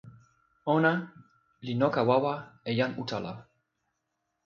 ona li noka wawa e jan utala.